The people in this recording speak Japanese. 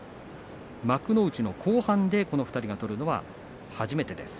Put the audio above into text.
幕内の後半で相撲を取るのは初めてです。